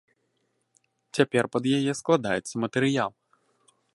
Цяпер пад яе складаецца матэрыял.